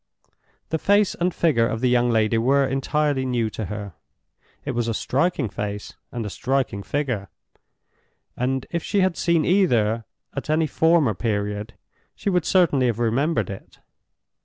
The face and figure of the young lady were entirely new to her. It was a striking face, and a striking figure; and if she had seen either at any former period, she would certainly have remembered it.